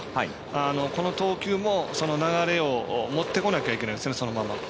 この投球も流れを持ってこなきゃいけないですね。